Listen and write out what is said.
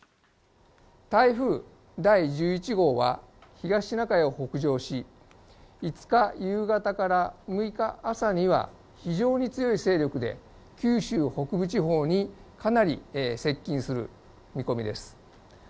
台風第１１号は、東シナ海を北上し、５日夕方から６日朝には、非常に強い勢力で九州北部地方にかなり接近する見込みです。